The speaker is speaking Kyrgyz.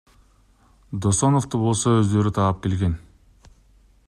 Досоновду болсо өздөрү таап келген.